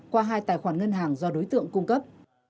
qua hai tài khoản ngân hàng do đối tượng cung cấp